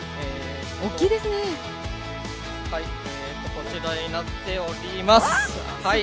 こちらになっております。